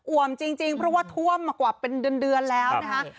อ่วมจริงจริงเพราะว่าท่วมมากว่าเป็นเดือนเดือนแล้วนะฮะครับ